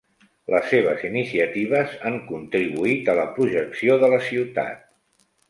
Les seves iniciatives han contribuït a la projecció de la ciutat.